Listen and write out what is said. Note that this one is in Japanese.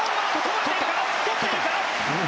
とっているか？